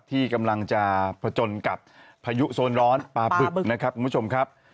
ที่กำลังจะผจญกับพายุโซนร้อนปลาบึกนะครับคุณผู้ชมครับ